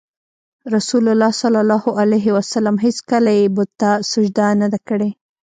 رسول الله ﷺ هېڅکله یې بت ته سجده نه ده کړې.